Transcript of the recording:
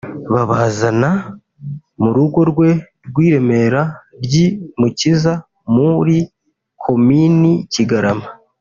babazana mu rugo rwe rw’i Remera ry’i Mukiza (muri komini Kigarama